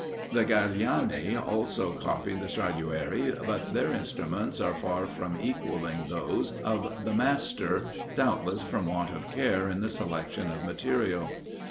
The Gagliani also copied the Stradiuari, but their instruments are far from equalling those of the master, doubtless from want of care in the selection of material.